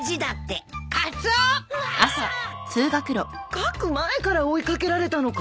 書く前から追い掛けられたのか？